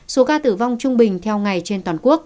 số ca tử vong trung bình theo ngày trên toàn quốc